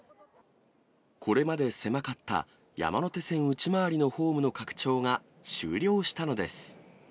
これまで狭かった山手線内回りのホームの拡張が終了したのです。